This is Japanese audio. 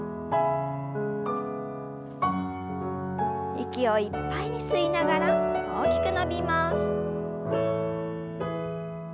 息をいっぱいに吸いながら大きく伸びます。